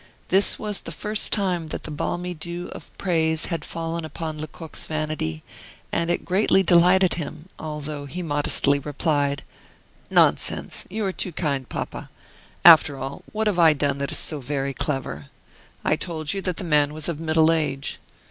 This was the first time that the balmy dew of praise had fallen upon Lecoq's vanity, and it greatly delighted him, although he modestly replied: "Nonsense, you are too kind, papa. After all, what have I done that is so very clever? I told you that the man was of middle age.